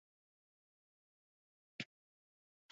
nchini tanzania hali ya mambo sasa inaigeukia me